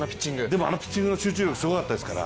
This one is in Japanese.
でもあのピッチングの集中力、すごかったですから。